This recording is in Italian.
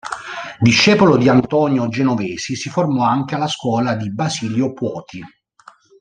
Discepolo di Antonio Genovesi, si formò anche alla scuola di Basilio Puoti.